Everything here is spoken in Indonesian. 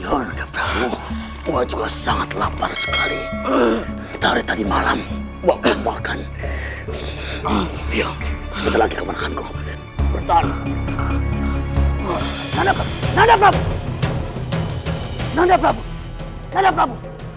tapi mengapakah kamu sedang memijakkan cerita ini menjadi sebuah kartu untuk restoration you